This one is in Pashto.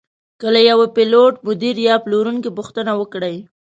که له یوه پیلوټ، مدیر یا پلورونکي پوښتنه وکړئ.